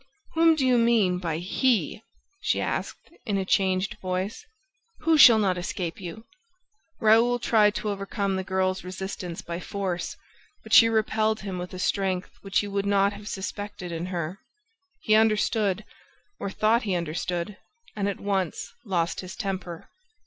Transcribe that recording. "Whom do you mean by 'he'?" she asked, in a changed voice. "Who shall not escape you?" Raoul tried to overcome the girl's resistance by force, but she repelled him with a strength which he would not have suspected in her. He understood, or thought he understood, and at once lost his temper.